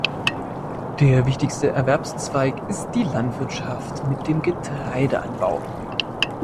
Der wichtigste Erwerbszweig ist die Landwirtschaft mit dem Getreideanbau.